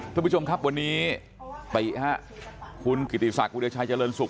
ทุกผู้ชมครับวันนี้ไปคุณกิติศักดิ์วิทยาชายเจริญสุข